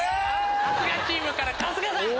春日チームから春日さん。